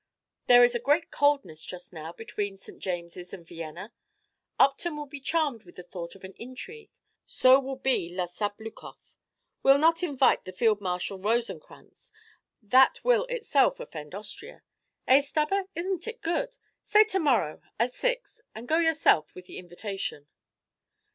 There is a great coldness just now between St. James's and Vienna. Upton will be charmed with the thought of an intrigue; so will be La Sabloukoff. We 'll not invite the Field Marshal Rosen krantz: that will itself offend Austria. Eh, Stubber, is n't it good? Say to morrow at six, and go yourself with the invitation."